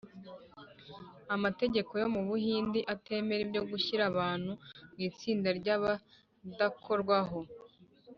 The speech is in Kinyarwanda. amategeko yo mu buhindi atemera ibyo gushyira abantu mu itsinda ry’abadakorwaho